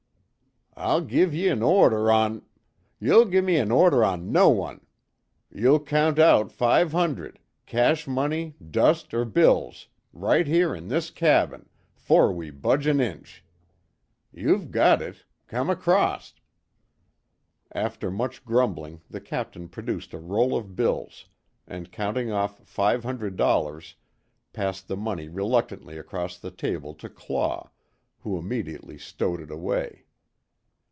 "I'll give ye an order on " "You'll give me an order on no one! You'll count out five hundred, cash money dust, er bills, right here in this cabin, 'fore we budge an inch. You've got it come acrost!" After much grumbling the Captain produced a roll of bills and counting off five hundred dollars, passed the money reluctantly across the table to Claw, who immediately stowed it away.